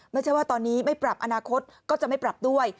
ไม่ใช่ว่าตอนนี้ไม่ปรับอนาคตก็จะไม่ปรับด้วย